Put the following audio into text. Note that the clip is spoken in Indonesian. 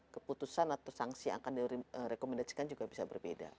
keputusan atau sanksi yang akan direkomendasikan juga bisa berbeda